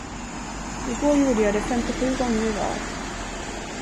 I går gjorde jag det femtiosju gånger i rad.